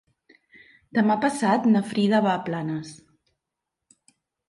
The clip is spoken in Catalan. Demà passat na Frida va a Planes.